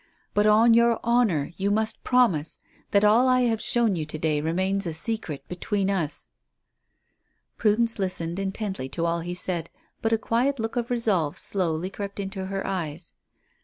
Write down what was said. But on your honour you must promise that all I have shown you to day remains a secret between us." Prudence listened intently to all he said, but a quiet look of resolve slowly crept into her eyes.